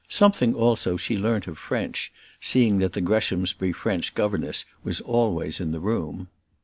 Something also she learnt of French, seeing that the Greshamsbury French governess was always in the room.